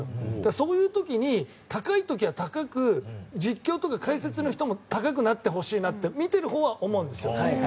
そういう時に、高い時は高く実況とか解説も高くなってほしいなって見ているほうは思うんですよ。